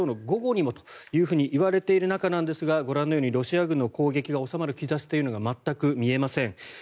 午後にもというふうにいわれている中なんですがご覧のようにロシア軍の攻撃が収まる兆しが全く見えません。